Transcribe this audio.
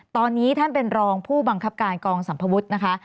ตอนนี้ท่านเป็นรองผู้บังคับการกองสัมภวุฒินะคะ